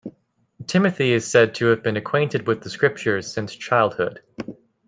Timothy is said to have been acquainted with the Scriptures since childhood.